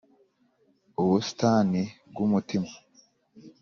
ubusitani bwumutima.